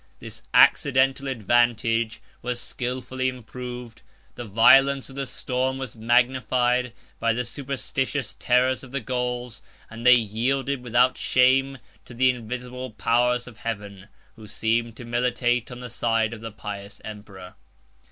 This accidental advantage was skilfully improved, the violence of the storm was magnified by the superstitious terrors of the Gauls; and they yielded without shame to the invisible powers of heaven, who seemed to militate on the side of the pious emperor.